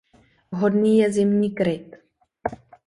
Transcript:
Vhodný je zimní kryt.